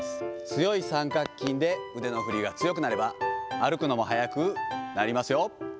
強い三角筋で腕の振りが強くなれば、歩くのも速くなりますよ。